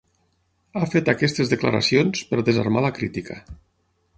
Ha fet aquestes declaracions per desarmar la crítica.